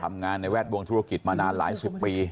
ในแวดวงธุรกิจมานานหลายสิบปี